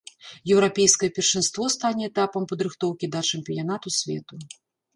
Еўрапейскае першынство стане этапам падрыхтоўкі да чэмпіянату свету.